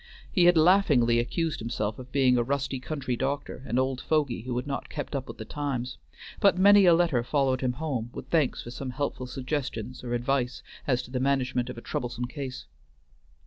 He had laughingly accused himself of being a rusty country doctor and old fogy who had not kept up with the times; but many a letter followed him home, with thanks for some helpful suggestion or advice as to the management of a troublesome case.